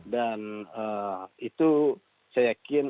dan itu saya yakin